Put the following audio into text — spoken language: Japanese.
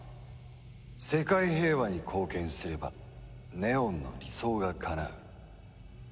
世界平和に貢献すれば祢音の理想がかなう。